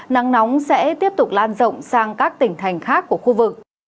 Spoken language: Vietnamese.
nắng nóng sẽ tiếp tục lan rộng sang các tỉnh thành khác của khu vực